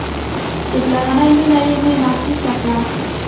چې پلرنۍ مينه مې محسوسه کړه.